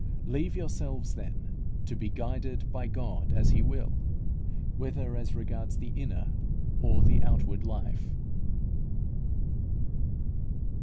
Leave yourselves, then, to be guided by God as He will, whether as regards the inner or the outward life.